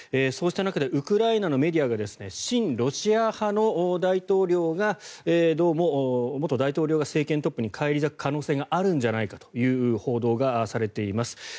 そうした中でウクライナのメディアが親ロシア派の元大統領がどうも政権トップに返り咲く可能性があるんじゃないかという報道がされています。